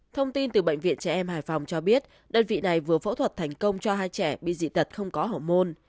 thông tin từ bệnh viện trẻ em hải phòng cho biết đơn vị này vừa phẫu thuật thành công cho hai trẻ bị dị tật không có hổ môn